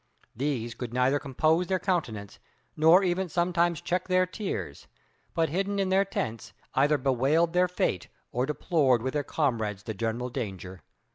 These could neither compose their countenance, nor even sometimes check their tears: but hidden in their tents, either bewailed their fate or deplored with their comrades the general danger.